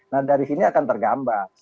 nah dari sini akan tergambar